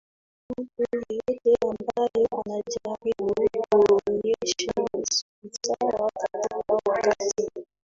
Mtu yeyote ambaye anajaribu kuonyesha usawa katika wakati